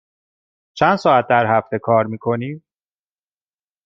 چند ساعت در هفته کار می کنی؟